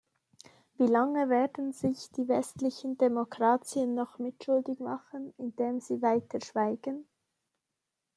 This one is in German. Wie lange werden sich die westlichen Demokratien noch mitschuldig machen, indem sie weiter schweigen?